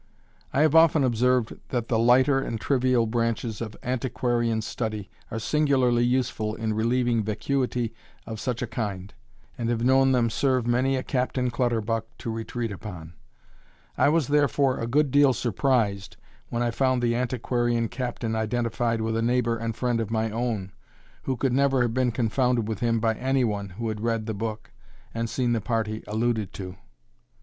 I have often observed, that the lighter and trivial branches of antiquarian study are singularly useful in relieving vacuity of such a kind, and have known them serve many a Captain Clutterbuck to retreat upon; I was therefore a good deal surprised, when I found the antiquarian Captain identified with a neighbour and friend of my own, who could never have been confounded with him by any one who had read the book, and seen the party alluded to.